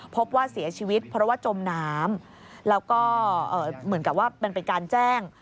พบว่าเสียชีวิตเพราะว่าจมน้ำแล้วก็เหมือนกับว่ามันเป็นการแจ้ง